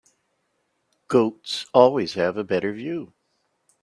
Goats always have a better view.